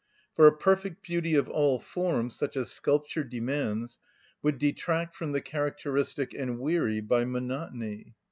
For a perfect beauty of all forms, such as sculpture demands, would detract from the characteristic and weary by monotony.